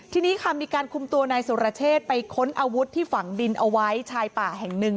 ทีนี้ค่ะมีการคุมตัวนายสุรเชษไปค้นอาวุธที่ฝังดินเอาไว้ชายป่าแห่งหนึ่ง